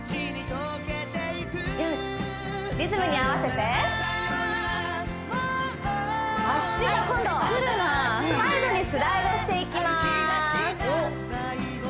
リズムに合わせてサイドにスライドしていきます